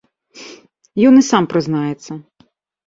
Ён і сам прызнаецца.